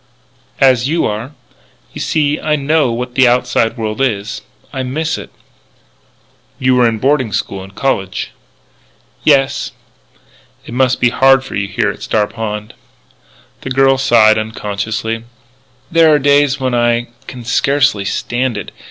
"As you are. You see I know what the outside world is. I miss it." "You were in boarding school and college." "Yes." "It must be hard for you here at Star Pond." The girl sighed, unconsciously: "There are days when I can scarcely stand it....